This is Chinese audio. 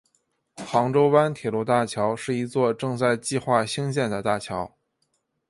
杭州湾铁路大桥是一座正在计划兴建的大桥。